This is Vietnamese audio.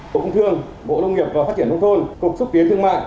cục công thương bộ đông nghiệp và phát triển nông thôn cục xúc tiến thương mại